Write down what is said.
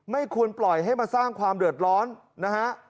ไม่ควรปล่อยให้มาสร้างความเดือดร้อนนะฮะ